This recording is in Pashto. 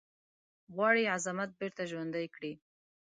غواړي عظمت بیرته ژوندی کړی.